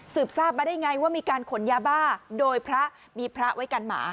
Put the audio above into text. ทราบมาได้ไงว่ามีการขนยาบ้าโดยพระมีพระไว้กันหมา